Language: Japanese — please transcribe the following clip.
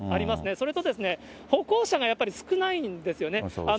それとですね、歩行者がやっぱり少ないんですよね。